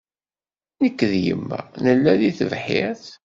Nekk d yemma nella deg tebḥirt.